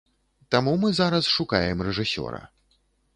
Таму мы зараз шукаем рэжысёра.